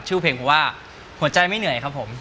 ชื่อเพลงคือว่าหัวใจไม่เหนื่อยครับผม